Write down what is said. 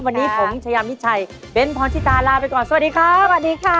วันนี้ผมชยามิชัยเบ้นพร้อมชิตาลาไปก่อนสวัสดีครับ